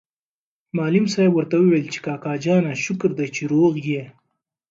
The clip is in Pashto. معلم صاحب ورته وویل چې کاکا جانه شکر دی چې روغ یې.